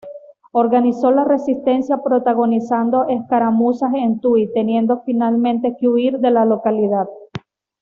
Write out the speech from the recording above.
Organizó la resistencia protagonizando escaramuzas en Tuy, teniendo finalmente que huir de la localidad.